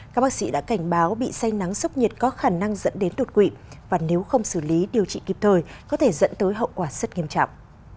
các bác sĩ đã cảnh báo bị say nắng sốc nhiệt có khả năng dẫn đến đột quỵ và nếu không xử lý điều trị kịp thời có thể dẫn tới hậu quả rất nghiêm trọng